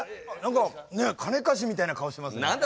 何か金貸しみたいな顔してますね。